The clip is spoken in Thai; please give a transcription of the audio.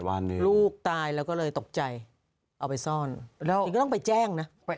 วันนี้ลูกตายแล้วก็เลยตกใจเอาไปซ่อนจริงก็ต้องไปแจ้งนะ